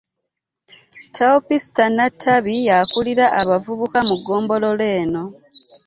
Teopista Nattabi, y'akulira abavubuka mu ggombolola eno.